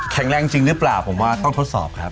แรงจริงหรือเปล่าผมว่าต้องทดสอบครับ